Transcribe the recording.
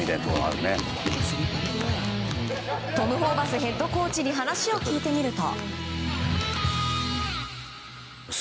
トム・ホーバスヘッドコーチに話を聞いてみると。